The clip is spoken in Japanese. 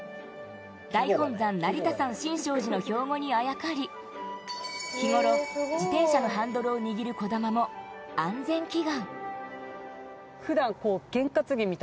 大本山、成田山・新勝寺の標語にあやかり、日頃、自転車のハンドルを握る児玉も安全祈願。